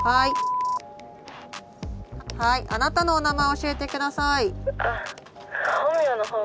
はいあなたのお名前教えて下さい。